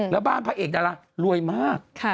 แล้วบ้านพระเอกดารารวยมาก